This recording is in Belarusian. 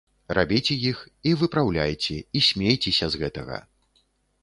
Рабіце іх, і выпраўляйце, і смейцеся з гэтага.